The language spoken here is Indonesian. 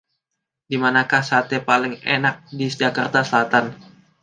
Dimanakah sate paling enak di Jakarta Selatan?